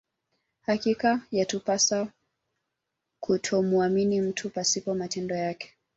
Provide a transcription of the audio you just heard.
Hakika yatupasa kutomuamini mtu pasipo matendo yake